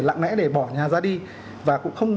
lặng lẽ để bỏ nhà ra đi và cũng không